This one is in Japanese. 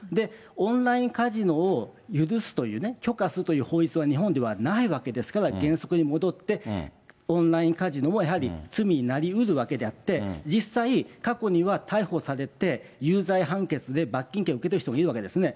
オンラインカジノを許すというね、許可するという法律は日本ではないわけですから、原則に戻って、オンラインカジノはやはり罪になりうるわけであって、実際、過去には逮捕されて、有罪判決で罰金刑受けてる人もいるわけですね。